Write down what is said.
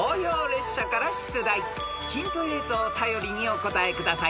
［ヒント映像を頼りにお答えください］